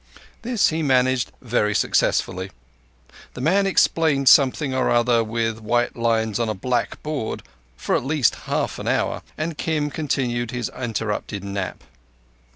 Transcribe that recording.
This he managed very successfully. The man explained something or other with white lines on a black board for at least half an hour, and Kim continued his interrupted nap.